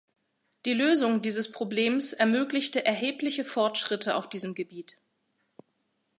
Die Lösung dieses Problems ermöglichte erhebliche Fortschritte auf diesem Gebiet.